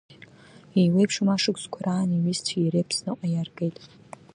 Еиуеиԥшым ашықәсқәа раан иҩызцәеи иареи Аԥсныҟа иааргеит…